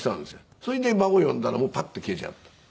それで孫呼んだらもうパッと消えちゃって。